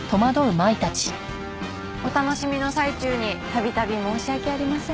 お楽しみの最中に度々申し訳ありません。